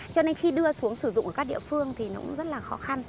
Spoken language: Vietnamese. cho nên khi đưa xuống sử dụng ở các địa phương thì nó cũng rất là khó khăn